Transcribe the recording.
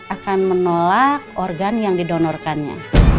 akan menolak organ yang didonorkannya